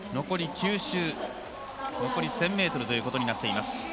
残り１０００ｍということになっています。